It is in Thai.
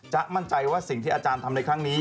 มั่นใจว่าสิ่งที่อาจารย์ทำในครั้งนี้